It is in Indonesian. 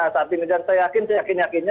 saat ini dan saya yakin saya yakin yakinnya